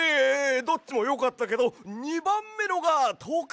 どっちもよかったけど２ばんめのがとくにいい！